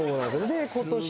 で今年。